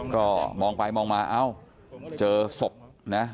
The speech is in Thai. ก็มองไปมองมาเอ้าเจอศพนะ